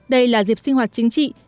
đây là dịp sinh hoạt chính trị